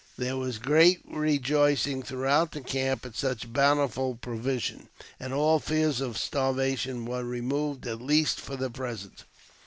There was great rejoicing throughout the camp at such bountiful provision, and all fears of starvation were removed, at least for the present.